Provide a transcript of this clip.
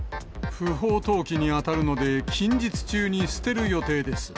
不法投棄に当たるので近日中に捨てる予定です。